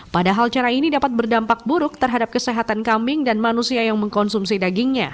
padahal cara ini dapat berdampak buruk terhadap kesehatan kambing dan manusia yang mengkonsumsi dagingnya